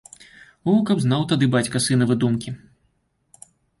О, каб знаў тады бацька сынавы думкі!